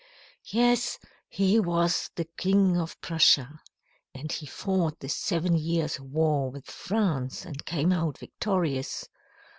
"Yes, he was the King of Prussia. And he fought the Seven Years' War with France and came out victorious.